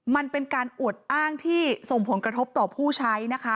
มันเป็นการอวดอ้างที่ส่งผลกระทบต่อผู้ใช้นะคะ